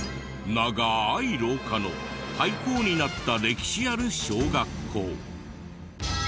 長い廊下の廃校になった歴史ある小学校。